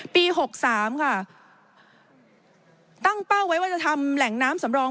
ปี๖๓ตั้งเป้าไว้ว่าจะทำแหล่งน้ำสำรอง